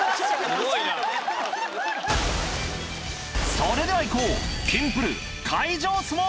それではいこう！